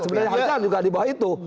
sebenarnya harga juga di bawah itu